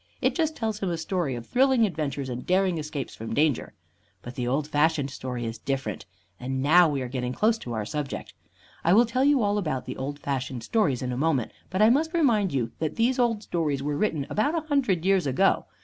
It just tells him a story of thrilling adventures and daring escapes from danger. But the old fashioned story is different; and now we are getting close to our subject. I will tell you all about the old fashioned stories in a moment; but I must remind you that these old stories were written about a hundred years ago.